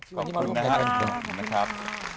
ขอบคุณนะครับ